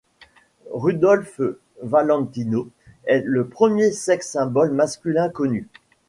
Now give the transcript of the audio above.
Rudolph Valentino est le premier sex-symbol masculin connu.